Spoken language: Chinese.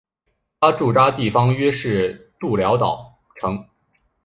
他驻扎地方约是社寮岛城。